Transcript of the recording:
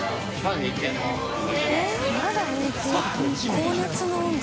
高熱の温度。